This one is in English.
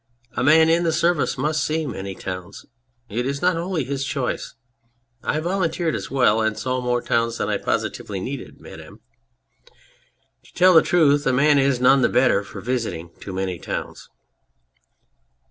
A man in the Service must see many towns. ... It is not wholly his choice. I volunteered as well, and saw more towns than I positively needed, Madame ; to tell the truth, a man is none the better for visiting too many towns.